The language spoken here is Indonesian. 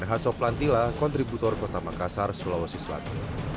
renahasof lantila kontributor kota makassar sulawesi suatu